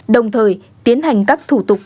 đồng thời tiến hành các thủ tục